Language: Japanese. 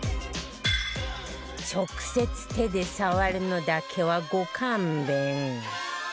直接手で触るのだけはご勘弁